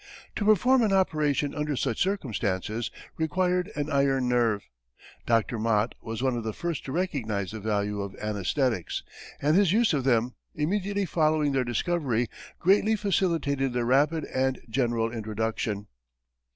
To perform an operation under such circumstances required an iron nerve. Dr. Mott was one of the first to recognize the value of anæsthetics, and his use of them, immediately following their discovery, greatly facilitated their rapid and general introduction.